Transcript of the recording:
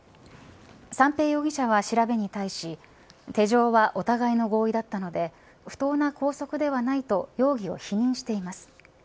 三瓶容疑者は調べに対し手錠はお互いの合意だったので不当な拘束ではないと容疑を否認しています。